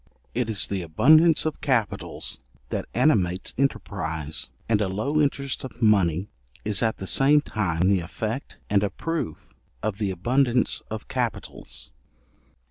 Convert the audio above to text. It is the abundance of capitals that animates enterprize; and a low interest of money is at the same time the effect and a proof of the abundance of capitals.